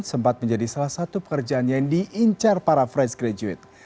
sempat menjadi salah satu pekerjaan yang diincar para fresh graduate